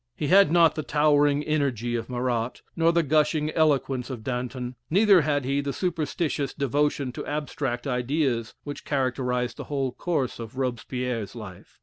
He had not the towering energy of Marat, nor the gushing eloquence of Danton, neither had he the superstitious devotion to abstract ideas which characterized the whole course of Robespierre's life.